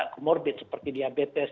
komorbid seperti diabetes